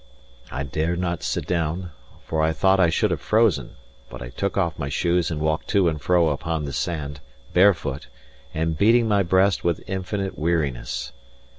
I dared not sit down (for I thought I should have frozen), but took off my shoes and walked to and fro upon the sand, bare foot, and beating my breast with infinite weariness.